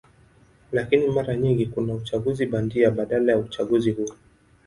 Lakini mara nyingi kuna uchaguzi bandia badala ya uchaguzi huru.